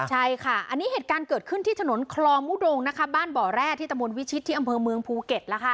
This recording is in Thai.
ใช่ค่ะอันนี้เหตุการณ์เกิดขึ้นที่ถนนคลองมุดงนะคะบ้านบ่อแร่ที่ตะมนตวิชิตที่อำเภอเมืองภูเก็ตแล้วค่ะ